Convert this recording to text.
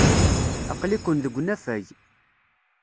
Aql-iken deg unafag.